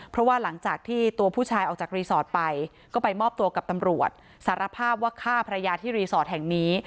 เพราะว่าหลังจากที่ตัวผู้ชายออกจากรีสอร์ทไปก็ไปมอบตัวกับตำรวจสารภาพว่าฆ่าภรรยาที่รีสอร์ทแห่งนี้